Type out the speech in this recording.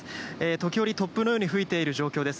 時折、突風のように吹いている状況です。